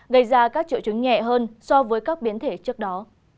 gây ra các triệu chứng nhẹ hơn so với các biến thể trước đó